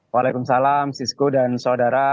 waalaikumsalam sisku dan saudara